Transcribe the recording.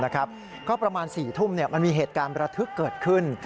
ก็ประมาณ๔ทุ่มมันมีเหตุการณ์ประทึกเกิดขึ้น